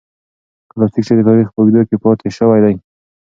کلاسیک شعر د تاریخ په اوږدو کې پاتې شوی دی.